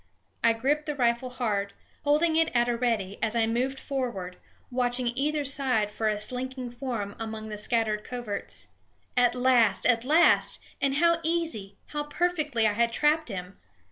I gripped the rifle hard, holding it at a ready as I moved forward, watching either side for a slinking form among the scattered coverts. At last, at last! and how easy, how perfectly I had trapped him!